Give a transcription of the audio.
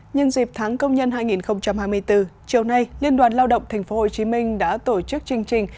nhân dịp tháng công nhân hai nghìn hai mươi bốn chiều nay liên đoàn lao động tp hcm đã tổ chức chương trình